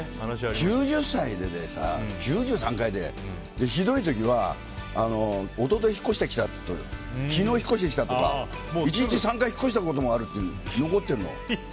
９０歳で９３回でひどい時は一昨日引っ越してきたとか昨日引っ越してきたとか１日３回引っ越したことがあるっていうのが残ってるの。